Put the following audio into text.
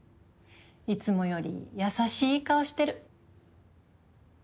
いつもより優しい顔してる。